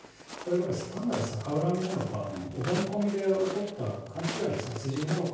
やっぱり単なる逆恨みなのか、思い込みで起こった勘違いの殺人なのか。